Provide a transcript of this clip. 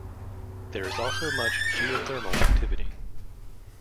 There is also much geothermal activity.